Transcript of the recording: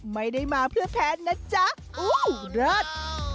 ไม่ได้มาเพื่อแพ้นะจ๊ะอู้เลิศ